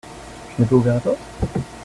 Je n'ai pas ouvert la porte ?